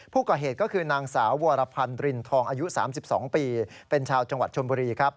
ผู้ก่อเหตุคือนางสาวดรินทองอายุ๓๒เป็นชาวจังหวัดชมพุรี